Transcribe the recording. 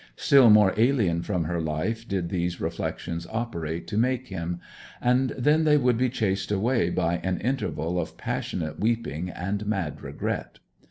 Still more alien from her life did these reflections operate to make him; and then they would be chased away by an interval of passionate weeping and mad regret.